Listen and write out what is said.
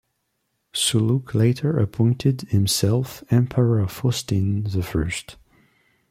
Soulouque later appointed himself Emperor Faustin the First.